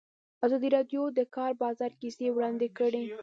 ازادي راډیو د د کار بازار کیسې وړاندې کړي.